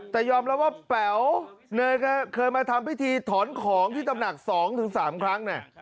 แต่ยอมรับว่าแป๋วเคยมาทำพิธีถอนของที่ตำหนัก๒๓ครั้ง